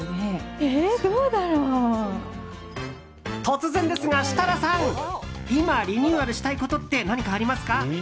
突然ですが、設楽さん。今、リニューアルしたいことって何かありますか？